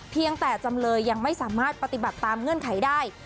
เพียงแต่จำเลยยังไม่สามารถปฏิบัติตามเงื่อนไขได้